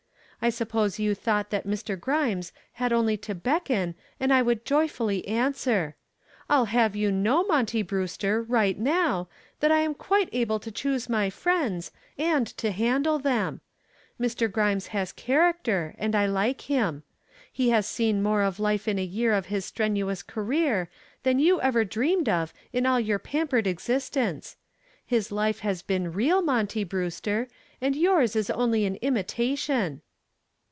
I suppose you thought Mr. Grimes had only to beckon and I would joyfully answer. I'll have you know, Monty Brewster, right now, that I am quite able to choose my friends, and to handle them. Mr. Grimes has character and I like him. He has seen more of life in a year of his strenuous career than you ever dreamed of in all your pampered existence. His life has been real, Monty Brewster, and yours is only an imitation."